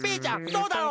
そうだろ？